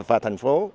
và thành phố